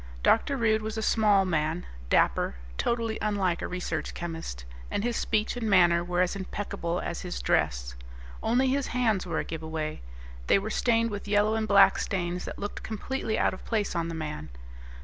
Dr. Rude was a small man, dapper, totally unlike a research chemist, and his speech and manner were as impeccable as his dress. Only his hands were a giveaway; they were stained with yellow and black stains that looked completely out of place on the man. Dr.